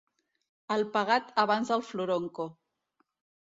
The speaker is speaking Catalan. El pegat abans del floronco.